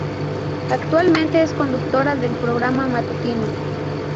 Actualmente es conductora del programa matutino.